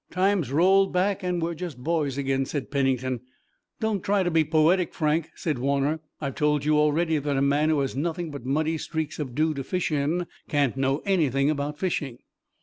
"Time's rolled back and we're just boys again," said Pennington. "Don't try to be poetic, Frank," said Warner. "I've told you already that a man who has nothing but muddy streaks of dew to fish in can't know anything about fishing."